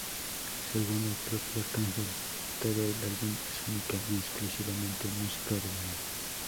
Según el propio Arcángel todo el álbum es única y exclusivamente música urbana.